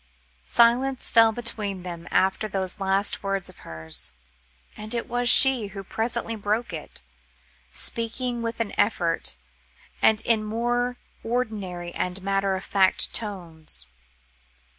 Silence fell between them after those last words of hers; and it was she who presently broke it, speaking with an effort, and in more ordinary and matter of fact tones.